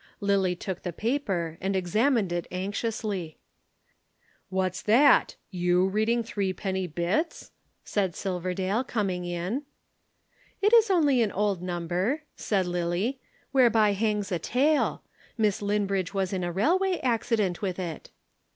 Lillie took the paper and examined it anxiously. "What's that? You reading Threepenny Bits?" said Silverdale coming in. "It is only an old number," said Lillie, "whereby hangs a tale. Miss Linbridge was in a railway accident with it."